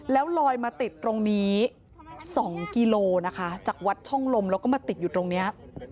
แล้วลอยมาติดตรงนี้๒กิโลนะคะจากวัดช่องลมแล้วก็มาติดอยู่ตรงนี้